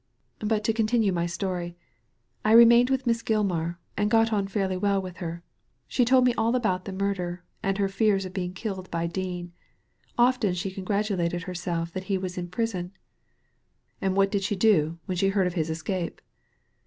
But to continue my story. I remained with Miss Gilmar, and got on fairly well with her. She told me all about the murder, and her fears of being killed by Dean. Often she congratulated herself that he was in prison." ''And what did':sibe do when she heard of his escape